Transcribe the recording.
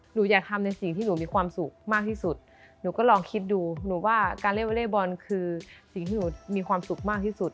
หนูอยากทำในสิ่งที่หนูมีความสุขมากที่สุดหนูก็ลองคิดดูหนูว่าการเล่นวอเล็กบอลคือสิ่งที่หนูมีความสุขมากที่สุด